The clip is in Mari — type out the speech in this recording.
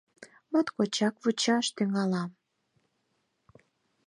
Моткочак вучаш тӱҥалам!